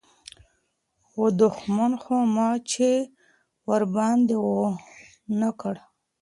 و دښمن خو ما چي وار باندي و نه کړ